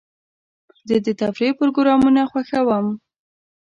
زه د تفریح پروګرامونه خوښوم.